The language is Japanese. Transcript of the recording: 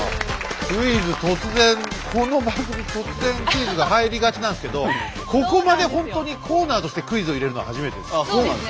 クイズ突然この番組突然クイズが入りがちなんすけどここまでほんとにコーナーとしてクイズを入れるのは初めてです。